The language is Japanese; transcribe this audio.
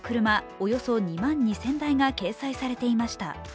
およそ２万２０００台が掲載されていました。